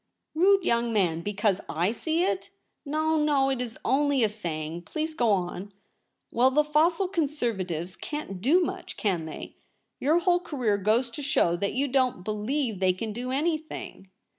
' Rude young man ! because / see it ?'' No, no ; it is only a saying. Please go on.' ' Well, the fossil Conservatives can't do much, can they ? Your whole career goes to show that you don't believe they can do any thing.'